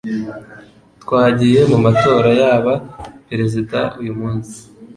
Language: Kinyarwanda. Twagiye mu matora yaba perezida uyu munsi